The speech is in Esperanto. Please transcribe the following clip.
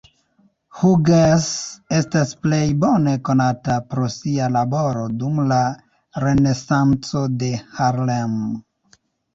Hughes estas plej bone konata pro sia laboro dum la Renesanco de Harlem.